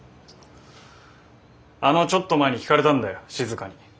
あのちょっと前に聞かれたんだよ静に。